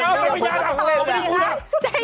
คุณแหมคุณส่งน้องเขาใหญ่กันนะคุณตอบดีฮะได้ยังไหมโอ้โฮ